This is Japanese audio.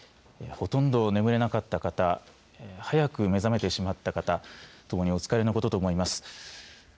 ほとんど眠れなかった方早く目覚めてしまった方ともにお疲れのことと思います。